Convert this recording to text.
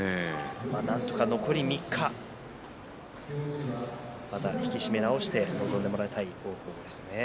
なんとか残り３日引き締め直して臨んでもらいたいところです。